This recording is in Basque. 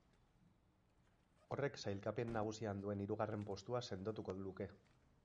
Horrek sailkapen nagusian duen hirugarren postua sendotuko luke.